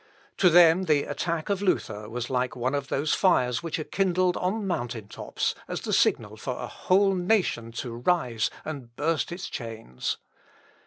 To them the attack of Luther was like one of those fires which are kindled on mountain tops, as the signal for a whole nation to rise and burst its chains.